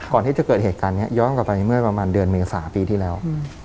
ก่อนที่จะเกิดเหตุการณ์นี้ย้อนกลับไปเมื่อประมาณเดือนเมษาปีที่แล้ว